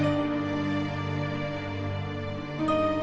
ya udah aku mau pulang